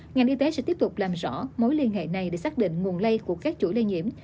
ngành y tế sẽ tiếp tục làm rõ mối liên hệ này để xác định nguồn lây của các chuỗi lây nhiễm